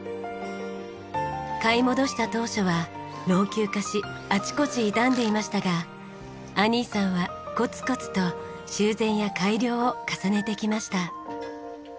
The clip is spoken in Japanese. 買い戻した当初は老朽化しあちこち傷んでいましたがアニーさんはコツコツと修繕や改良を重ねてきました。